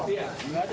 iya enggak ada